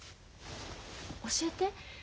教えて。